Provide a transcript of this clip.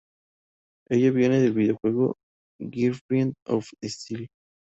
Ella viene del videojuego "Girlfriend Of Steel".